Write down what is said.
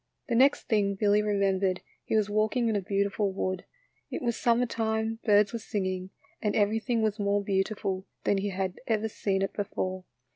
The next thing Billy remembered he was walking in a beautiful wood. It was summer time, birds were singing and everything was more beautiful than he had ever seen it before.